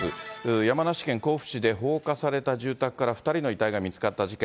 山梨県甲府市で、放火された住宅から２人の遺体が見つかった事件。